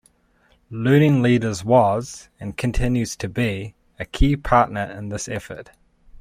Learning Leaders was, and continues to be, a key partner in this effort.